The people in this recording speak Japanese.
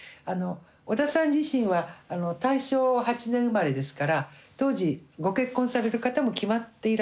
織田さん自身は大正８年生まれですから当時ご結婚される方も決まっていらしたらしいんですね。